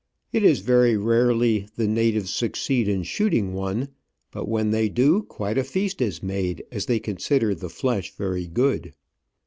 It is very rarely the natives succeed in shooting one, but when they do quite a feast is made, as they consider the flesh very good food.